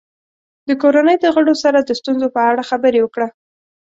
د کورنۍ د غړو سره د ستونزو په اړه خبرې وکړه.